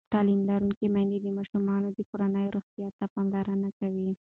تعلیم لرونکې میندې د ماشومانو د کورنۍ روغتیا ته پاملرنه کوي.